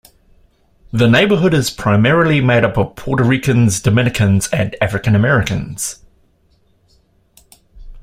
The neighborhood is primarily made up of Puerto Ricans, Dominicans, and African Americans.